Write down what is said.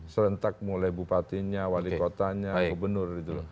serentak mulai bupatinya wali kotanya gubernur gitu